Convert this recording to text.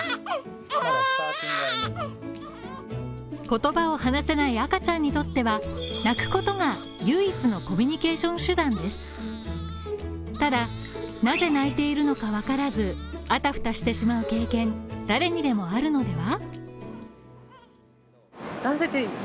言葉を話せない赤ちゃんにとっては泣くことが唯一のコミュニケーション手段ですただ、なぜ泣いているのか分からずあたふたしてしまう経験誰にでもあるのでは？